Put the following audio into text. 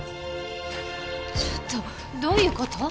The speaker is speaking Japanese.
ちょっとどういう事！？